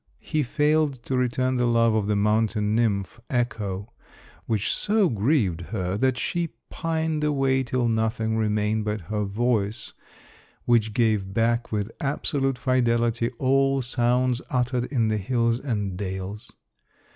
He failed to return the love of the mountain nymph, Echo, which so grieved her that she pined away till nothing remained but her voice, which gave back with absolute fidelity all sounds uttered in the hills and dales.